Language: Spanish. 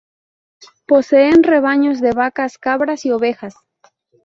Poseen rebaños de vacas, cabras y ovejas.